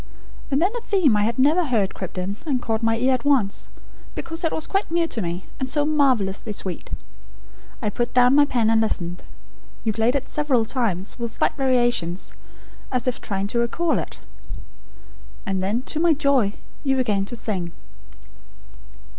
And then a theme I had never heard crept in, and caught my ear at once, because it was quite new to me, and so marvellously sweet. I put down my pen and listened. You played it several times, with slight variations, as if trying to recall it. And then, to my joy, you began to sing.